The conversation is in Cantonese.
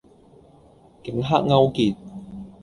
警黑勾結